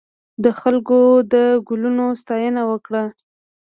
خلکو د ګلونو ستاینه وکړه.